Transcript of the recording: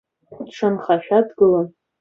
Дшанхашәа дгылан.